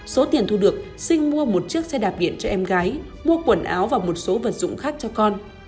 số tiền thu được sinh mua một chiếc xe đạp điện cho em gái mua quần áo và một số vật dụng khác cho con